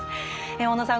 小野さん